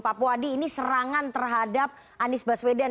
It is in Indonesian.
pak puadi ini serangan terhadap anies baswedan